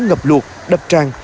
ngập luộc đập tràn